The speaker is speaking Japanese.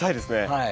はい。